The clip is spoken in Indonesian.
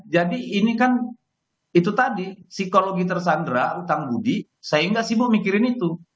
jadi ini kan itu tadi psikologi tersandra hutang budi sehingga sibuk mikirin itu